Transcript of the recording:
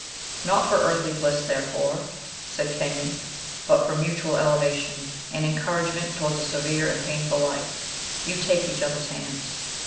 "Not for earthly bliss, therefore," said Kenyon, "but for mutual elevation, and encouragement towards a severe and painful life, you take each other's hands.